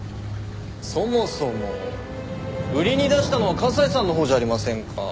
そもそも売りに出したのは加西さんのほうじゃありませんか。